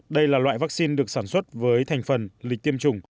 đây là loại vaccine được sản xuất với thành phần lịch tiêm chủng